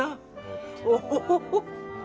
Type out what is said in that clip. おお！